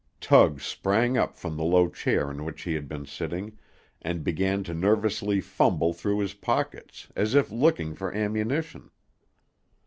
Tug sprang up from the low chair in which he had been sitting, and began to nervously fumble through his pockets, as if looking for ammunition.